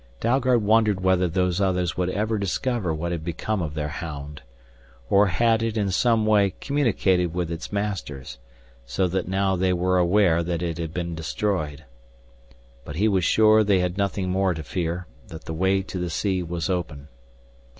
Dalgard wondered whether Those Others would ever discover what had become of their hound. Or had it in some way communicated with its masters, so that now they were aware that it had been destroyed. But he was sure they had nothing more to fear, that the way to the sea was open.